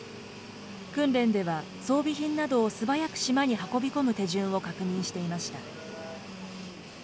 訓練では、装備品などを素早く島に運び込む手順を確認していました。